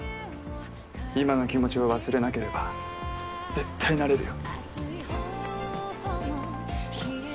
今の気持ちを忘れなければ絶対なれるよ。